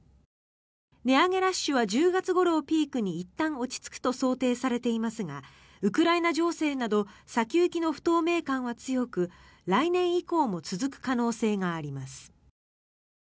値上げラッシュは１０月ごろをピークにいったん落ち着くと想定されていますがウクライナ情勢など先行きの不透明感は強く来年以降も続く可能性があります。